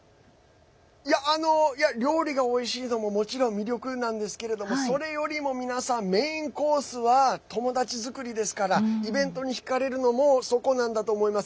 料理がおいしいのももちろん魅力ですけどそれよりも皆さんメインコースは友達作りですからイベントにひかれるのもそこなんだと思います。